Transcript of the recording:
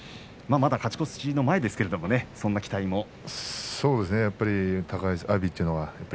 まだ勝ち越しの前ですけれどもそんな期待も。